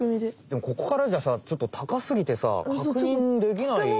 でもここからじゃさちょっと高すぎてさかくにんできない。